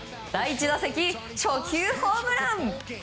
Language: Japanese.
第１打席、初球ホームラン！